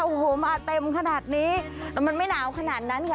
โอ้โหมาเต็มขนาดนี้แต่มันไม่หนาวขนาดนั้นค่ะ